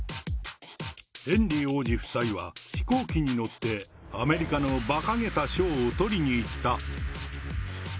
ヘンリー王子夫妻は、飛行機に乗ってアメリカのばかげた賞を取りに行った。